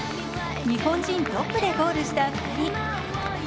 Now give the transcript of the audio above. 日本人トップでゴールした２人。